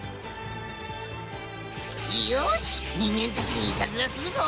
よし、人間たちにいたずらするぞ！